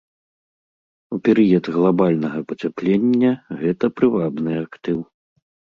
У перыяд глабальнага пацяплення гэта прывабны актыў.